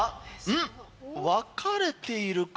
ん？分かれているか？